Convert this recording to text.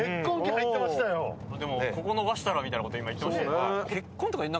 でもここ逃したらみたいなこと今言ってました。